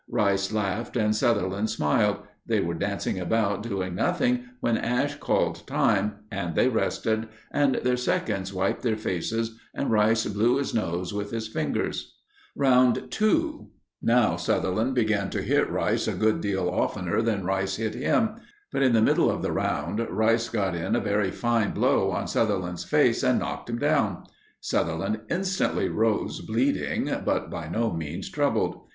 Rice laughed and Sutherland smiled. They were dancing about doing nothing when Ash called time, and they rested, and their seconds wiped their faces and Rice blew his nose with his fingers. Round 2. Now Sutherland began to hit Rice a good deal oftener than Rice hit him. But, in the middle of the round, Rice got in a very fine blow on Sutherland's face and knocked him down. Sutherland instantly rose bleeding, but by no means troubled.